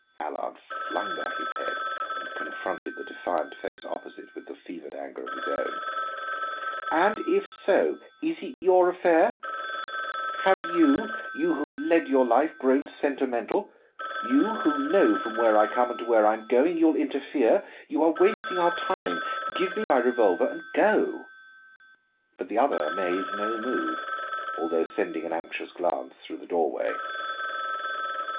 Allard flung back his head and confronted the defiant face opposite with the fevered anger of his own. "And if so, is it your affair? Have you, you who have led your life, grown sentimental? You, who know from where I come and to where I am going, you will interfere? You are wasting our time; give me my revolver, and go." But the other made no move, although sending an anxious glance through the doorway.